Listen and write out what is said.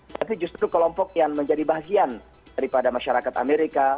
tapi justru kelompok yang menjadi bahagian daripada masyarakat amerika